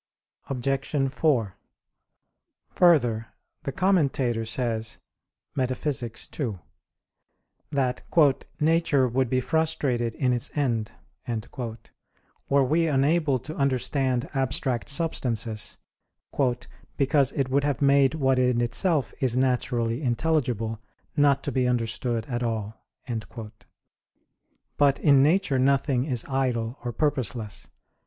Obj. 4: Further, the Commentator says (Metaph. ii) that "nature would be frustrated in its end" were we unable to understand abstract substances, "because it would have made what in itself is naturally intelligible not to be understood at all." But in nature nothing is idle or purposeless.